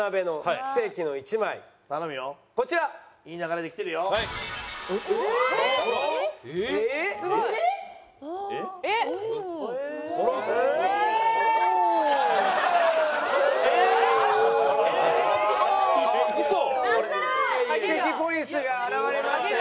奇跡ポリスが現れましたよ。